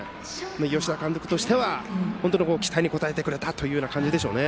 吉田監督としては期待に応えてくれたという感じでしょう。